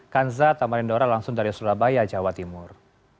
kanza tamarindora langsung dari surabaya jawa timur